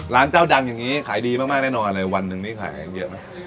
ร้านเจ้าดังอย่างนี้ขายดีมากแน่นอนเลยวันหนึ่งนี้ขายเองเยอะไหม